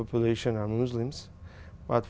năm nay sẽ là hai mươi sáu năm